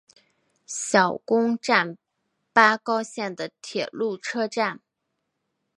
小宫站八高线的铁路车站。